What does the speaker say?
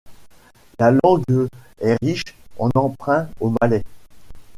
La langue est riche en emprunts au malais.